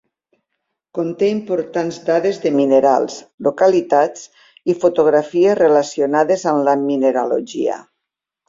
Conté importants dades de minerals, localitats i fotografies relacionades amb la mineralogia.